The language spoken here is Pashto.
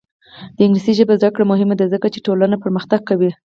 د انګلیسي ژبې زده کړه مهمه ده ځکه چې ټولنه پرمختګ کوي.